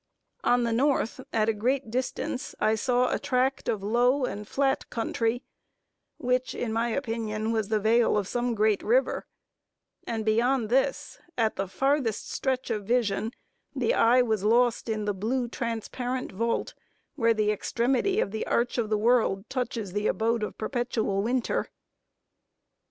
On the North, at a great distance, I saw a tract of low and flat country, which in my opinion was the vale of some great river, and beyond this, at the farthest stretch of vision, the eye was lost in the blue transparent vault, where the extremity of the arch of the world touches the abode of perpetual winter.